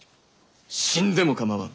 死んでも構わん。